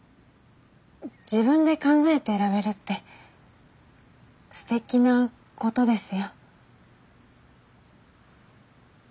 自分で考えて選べるってすてきなことですよ。